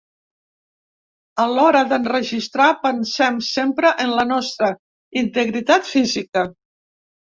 A l’hora d’enregistrar pensem sempre en la nostra integritat física.